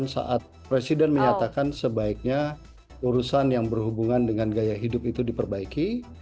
saat presiden menyatakan sebaiknya urusan yang berhubungan dengan gaya hidup itu diperbaiki